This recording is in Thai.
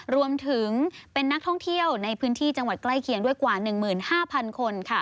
รวมถึงเป็นนักท่องเที่ยวในพื้นที่จังหวัดใกล้เคียงด้วยกว่า๑๕๐๐คน